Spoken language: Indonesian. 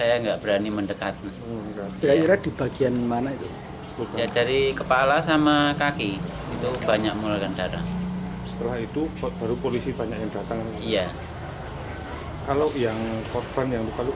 anggota polisi atau dikatakan